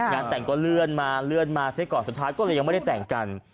งานแต่งก็เลื่อนมาเลื่อนมาซะก่อนสุดท้ายก็เลยยังไม่ได้แต่งกัน